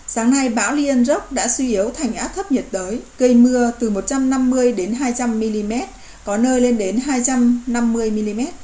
sáng nay bão liên rốc đã suy yếu thành áp thấp nhiệt đới cây mưa từ một trăm năm mươi hai trăm linh mm có nơi lên đến hai trăm năm mươi mm